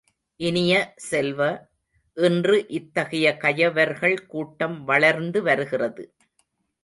இனிய செல்வ, இன்று இத்தகைய கயவர்கள் கூட்டம் வளர்ந்து வருகிறது.